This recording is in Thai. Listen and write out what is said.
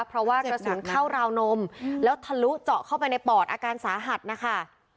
เพราะว่ากระสุนเข้าราวนมแล้วทะลุเจาะเข้าไปในปอดอาการสาหัสนะคะ